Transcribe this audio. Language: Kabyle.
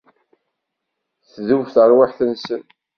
Tdub tarwiḥt-nsen.